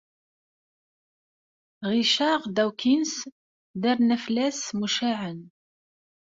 Richard Dawkins d arnaflas mucaɛen.